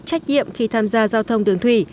trách nhiệm khi tham gia giao thông đường thủy